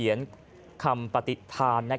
นายพรเพชรชนลชัยประธานสภานิติแห่งชาติ